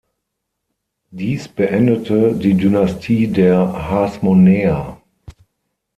Dies beendete die Dynastie der Hasmonäer.